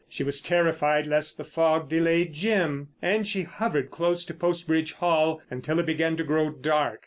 She was terrified lest the fog delayed Jim, and she hovered close to Post Bridge Hall until it began to grow dark.